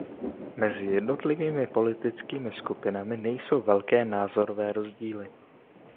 Mezi jednotlivými politickými skupinami nejsou velké názorové rozdíly.